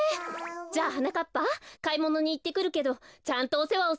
じゃあはなかっぱかいものにいってくるけどちゃんとおせわをするのよ。